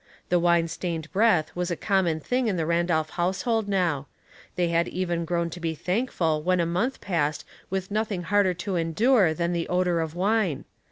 The wine stained breath was a common thing in the Ran dolph household now ; they had even grown to be thankful when a month passed with nothing harder to endure than the odor of wine.